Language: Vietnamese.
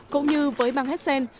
cũng như với bang hessen